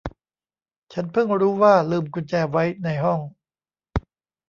ฉันเพิ่งรู้ว่าลืมกุญแจไว้ในห้อง